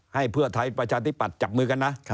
ให้เพื่อไทยประชาธิปัตย์จับมือกันนะ